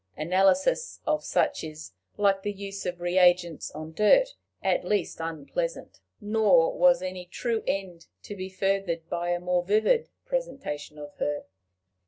Analysis of such is, like the use of reagents on dirt, at least unpleasant. Nor was any true end to be furthered by a more vivid presentation of her.